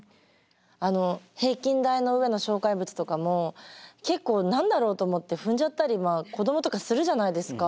平均台の上の障害物とかも結構何だろうと思って踏んじゃったり子どもとかするじゃないですか。